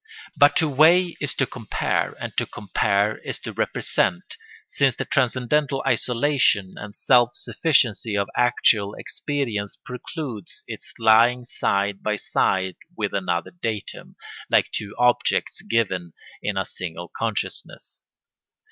But to weigh is to compare, and to compare is to represent, since the transcendental isolation and self sufficiency of actual experience precludes its lying side by side with another datum, like two objects given in a single consciousness.